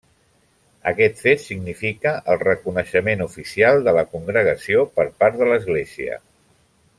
Aquest fet significa el reconeixement oficial de la congregació per part de l'Església.